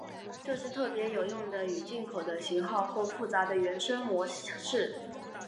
这是特别有用的与进口的型号或复杂的原生模式。